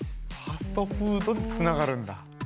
ファストフードとつながるんだ。